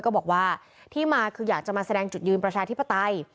ก็บอกว่าที่มาคืออยากจะมาแสดงจุดยืนประชาธิปไตย